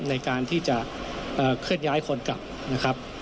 ในการที่จะเคลื่อนย้ายคนกลับนะครับ